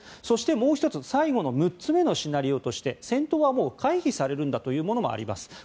そして、もう１つ最後の６つ目のシナリオとして戦闘は回避されるんだというものもあります。